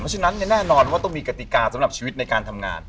ฉะนั้นแน่นอนว่าต้องมีกติกาสำหรับชีวิตในการทำงาน